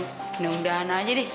udah udahan aja deh